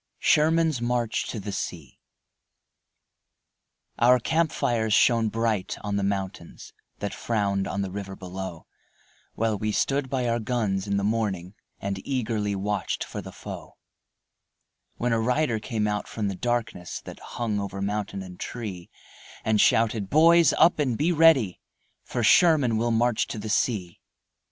SHERMAN'S MARCH TO THE SEA Our camp fires shone bright on the mountains That frowned on the river below, While we stood by our guns in the morning And eagerly watched for the foe When a rider came out from the darkness That hung over mountain and tree, And shouted, "Boys, up and be ready, For Sherman will march to the sea."